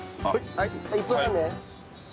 １分半ね！